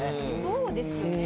そうですよね